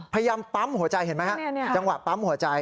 พยายามปั๊มหัวใจเห็นไหมฮะจังหวะปั๊มหัวใจ